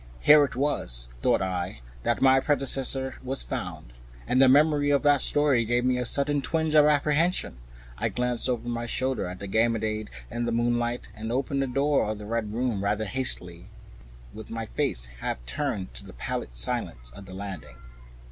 Here it was, thought I, that my predecessor was found, and the memory of that story gave me a sudden twinge of apprehension. I glanced over my shoulder at the black Ganymede in the moonlight, and opened the door of the Red Room rather hastily, with my face half turned to the pallid silence of the corridor.